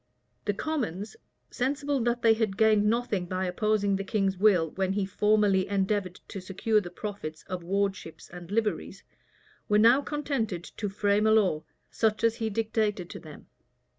4 The commons, sensible that they had gained nothing by opposing the king's will when he formerly endeavored to secure the profits of wardships and liveries, were now contented to frame a law,[*] such as he dictated to them.